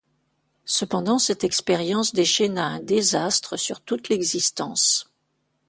Cependant, cette expérience déchaîna un désastre sur toute l’existence.